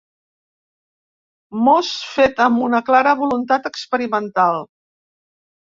Mos fet amb una clara voluntat experimental.